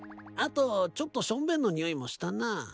あとちょっとションベンのにおいもしたな。